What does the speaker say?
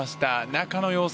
中の様子